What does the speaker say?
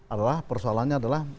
adalah persoalannya adalah